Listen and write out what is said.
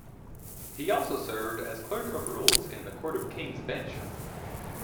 He also served as Clerk of Rules in the Court of King's Bench.